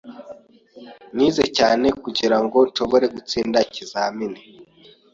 Nize cyane kugirango nshobore gutsinda ikizamini.